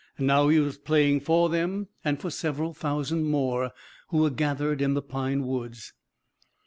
Now he was playing for them and for several thousand more who were gathered in the pine woods.